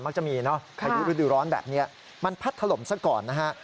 จะมีเนอะพายุฤดูร้อนแบบนี้มันพัดถล่มซะก่อนนะฮะ